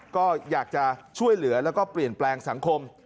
ก็อยากช่วยเหลือเปลี่ยนแปลงสังคม